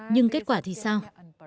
nhưng kết quả thì sao